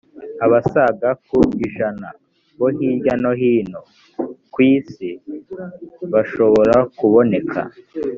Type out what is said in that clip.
abasaga ku ijana bo hirya no hino ku isi bashobora kuboneka